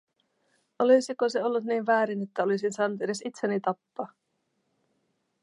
Olisiko se ollut niin väärin, että olisin saanut edes itseni tappaa?